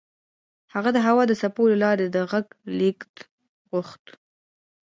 هغه د هوا د څپو له لارې د غږ لېږد غوښت